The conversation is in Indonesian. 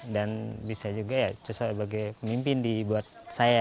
dan bisa juga sebagai pemimpin buat saya